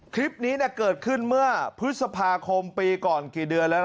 คลิปนี้เกิดขึ้นเมื่อพฤษภาคมปีก่อนกี่เดือนแล้ว